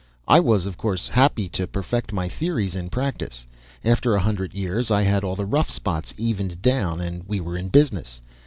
I was, of course, happy to perfect my theories in practice. After a hundred years I had all the rough spots evened down and we were in business.